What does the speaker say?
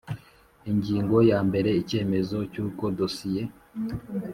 Ingingo ya mbere Icyemezo cy uko dosiye